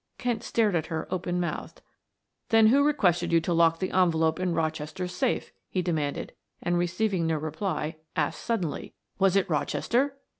Kent stared at her open mouthed. "Then who requested you to lock the envelope in Rochester's safe?" he demanded, and receiving no reply, asked suddenly: "Was it Rochester?"